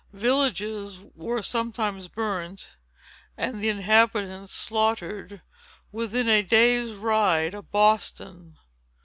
Villages were sometimes burnt, and the inhabitants slaughtered, within a day's ride of Boston.